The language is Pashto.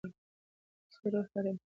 موسیقي روح ته ارامتیا ورکوي.